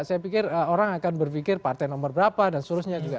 saya pikir orang akan berpikir partai nomor berapa dan seterusnya juga